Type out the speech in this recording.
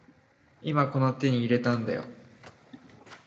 今この手に入れたんだよ